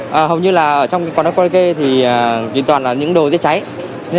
cháy rất là to như thế